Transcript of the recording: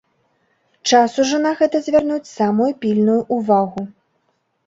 Час ужо на гэта звярнуць самую пільную ўвагу.